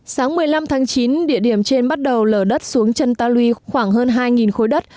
sáng một mươi năm tháng chín địa điểm trên bắt đầu lở đất xuống chân ta lui khoảng hơn hai khối đất